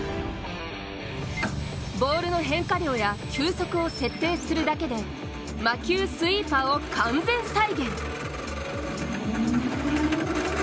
ボールの変化量や球速を設定するだけで魔球スイーパーを完全再現。